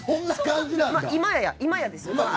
今やですよ。